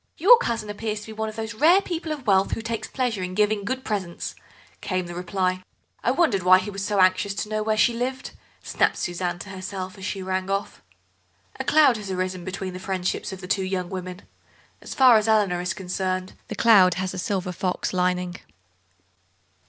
"Your cousin appears to be one of those rare people of wealth who take a pleasure in giving good presents," came the reply. "I wondered why he was so anxious to know where she lived," snapped Suzanne to herself as she rang off. A cloud has arisen between the friendships of the two young women; as far as Eleanor is concerned the cloud has a silver fox lining.